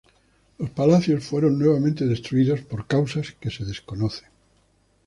Los palacios fueron nuevamente destruidos por causas que se desconocen.